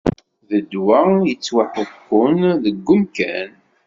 D ddwa yettwaḥukkun deg umkan.